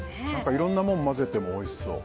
いろんなものを混ぜてもおいしそう。